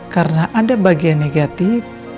karena ada bagian negatif